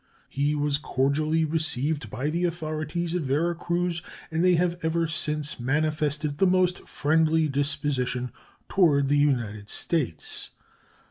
He was cordially received by the authorities at Vera Cruz, and they have ever since manifested the most friendly disposition toward the United States.